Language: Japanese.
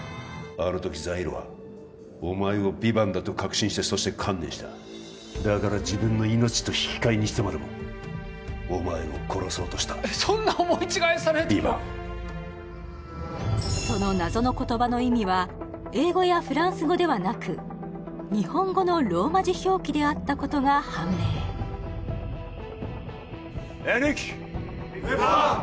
あの時ザイールはお前をヴィヴァンだと確信してそして観念しただから自分の命と引き換えにしてまでもお前を殺そうとしたえっそんな思い違いされてもヴィヴァンその謎の言葉の意味は英語やフランス語ではなく日本語のローマ字表記であったことが判明ヴィパァン